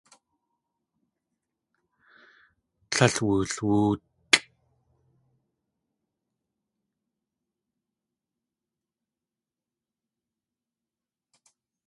Tlél wulwóotlʼ.